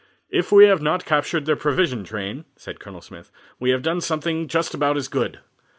"If we have not captured their provision train," said Colonel Smith, "we have done something just about as good.